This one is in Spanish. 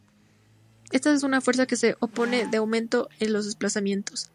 Esta es una fuerza que se opone al aumento de los desplazamientos.